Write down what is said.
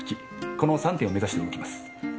この三点を目指して動きます。